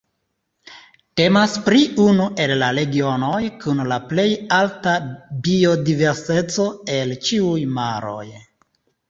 Temas pri unu el la regionoj kun la plej alta biodiverseco el ĉiuj maroj.